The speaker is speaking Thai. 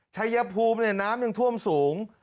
ชัยภูมิน้ำยังท่วมสูง